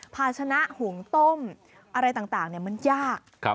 ภาชนะหุงต้มอะไรต่างมันยาก